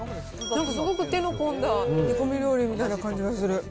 なんかすごく手の込んだ煮込み料理みたいな感じがする。